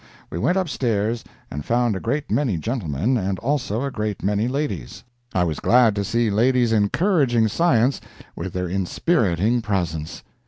We went upstairs, and found a great many gentlemen, and also a great many ladies. I was glad to see ladies encouraging science with their inspiriting presence.